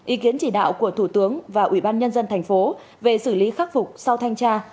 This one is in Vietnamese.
ý kiến chỉ đạo của thủ tướng và ubnd tp về xử lý khắc phục sau thanh tra